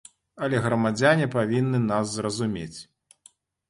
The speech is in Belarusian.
Але грамадзяне павінны нас зразумець.